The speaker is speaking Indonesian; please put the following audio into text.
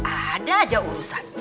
ada aja urusan